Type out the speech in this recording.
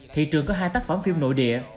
thị trường có hai tác phẩm phim nội địa